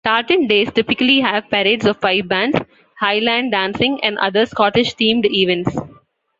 Tartan Days typically have parades of pipe bands, Highland dancing and other Scottish-themed events.